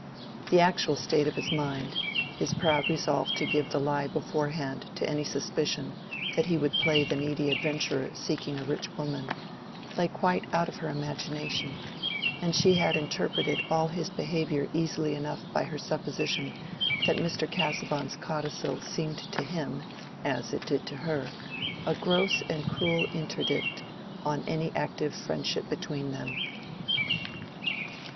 The actual state of his mind—his proud resolve to give the lie beforehand to any suspicion that he would play the needy adventurer seeking a rich woman—lay quite out of her imagination, and she had interpreted all his behavior easily enough by her supposition that Mr. Casaubon's codicil seemed to him, as it did to her, a gross and cruel interdict on any active friendship between them.